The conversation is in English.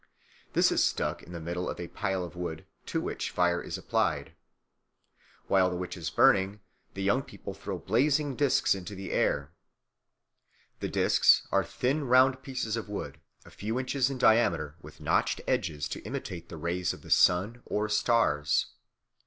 This is stuck in the middle of a pile of wood, to which fire is applied. While the "witch" is burning, the young people throw blazing discs into the air. The discs are thin round pieces of wood, a few inches in diameter, with notched edges to imitate the rays of the sun or stars.